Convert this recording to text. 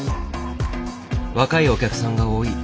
若いお客さんが多い。